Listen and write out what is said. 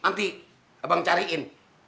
nanti abang cariin